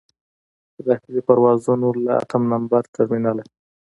د داخلي پروازونو له اتم نمبر ټرمینله.